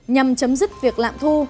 nhằm chấm dứt việc lạm thu